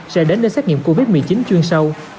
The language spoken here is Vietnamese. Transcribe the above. sẽ đến nơi xét nghiệm covid một mươi chín chuyên sâu